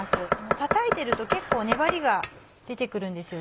たたいてると結構粘りが出て来るんですよ。